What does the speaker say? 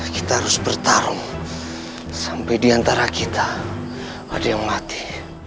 kita harus bertarung sampai diantara kita ada yang melatih